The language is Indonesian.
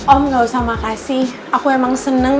om gak usah makasih aku emang senang